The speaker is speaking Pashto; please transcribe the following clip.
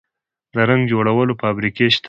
د رنګ جوړولو فابریکې شته؟